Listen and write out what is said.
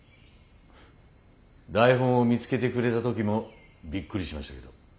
台本を見つけてくれた時もびっくりしましたけど。